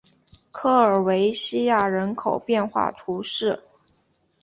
科尔韦西亚人口变化图示